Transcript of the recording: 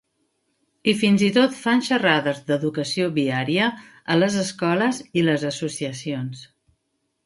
I fins i tot fan xerrades d'educació viària a les escoles i les associacions.